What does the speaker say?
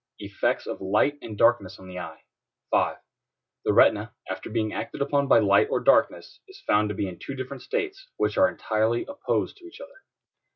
EFFECTS OF LIGHT AND DARKNESS ON THE EYE. 5. The retina, after being acted upon by light or darkness, is found to be in two different states, which are entirely opposed to each other.